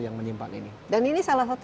yang menyimpang ini dan ini salah satu